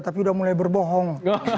tapi sudah mulai berbohong